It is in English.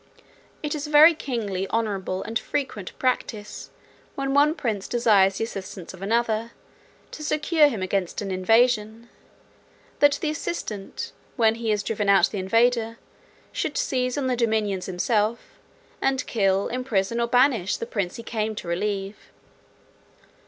It is a very kingly, honourable, and frequent practice, when one prince desires the assistance of another, to secure him against an invasion, that the assistant, when he has driven out the invader, should seize on the dominions himself, and kill, imprison, or banish, the prince he came to relieve.